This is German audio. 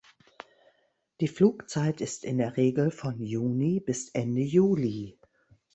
Die Flugzeit ist in der Regel von Juni bis Ende Juli.